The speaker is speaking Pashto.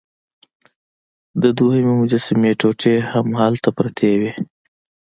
د دوهمې مجسمې ټوټې هم هلته پرتې وې.